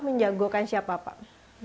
menjagokan siapa pak